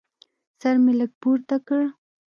سر مې لږ پورته کړ.